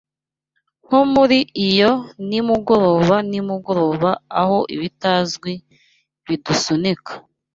Nko muri iyo nimugoroba nimugoroba aho ibitazwi bidusunika